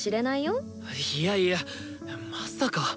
いやいやまさか！